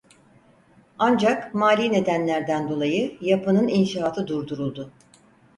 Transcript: Ancak mali nedenlerden dolayı yapının inşaatı durduruldu.